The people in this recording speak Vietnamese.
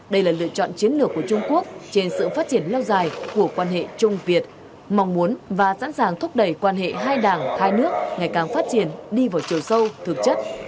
đây là lựa chọn chiến lược của trung quốc trên sự phát triển lâu dài của quan hệ trung việt mong muốn và sẵn sàng thúc đẩy quan hệ hai đảng hai nước ngày càng phát triển đi vào chiều sâu thực chất